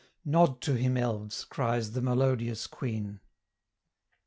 "Nod to him, Elves!" cries the melodious queen.